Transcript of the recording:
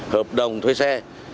hợp đồng thuê xe